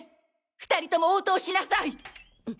２人とも応答しなさい！！